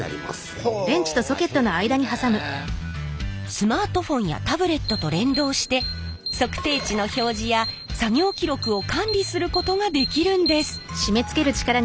スマートフォンやタブレットと連動して測定値の表示や作業記録を管理することができるんです。